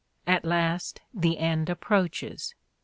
At last the end approaches.